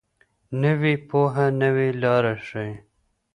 نوې پوهه نوې لارې ښيي.